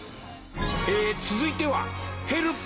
続いてはヘルプ！